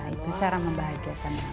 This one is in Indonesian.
itu cara membahagiakan anak